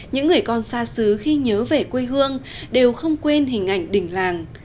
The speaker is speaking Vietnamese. những người con xa xứ khi nhớ về quê hương đều không quên hình ảnh đỉnh làng